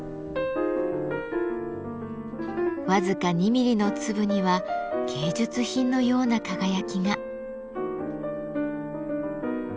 僅か２ミリの粒には芸術品のような輝きが。